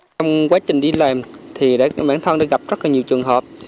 trong quá trình đi làm thì bản thân đã gặp rất là nhiều trường hợp